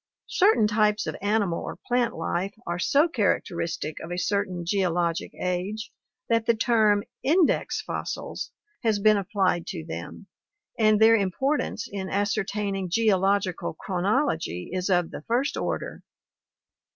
Certain types of animal or plant life are so characteristic of a cer tain geologic age that the term " index fossils" has been applied to them, and their importance in ascertaining geological chronology is of the first order.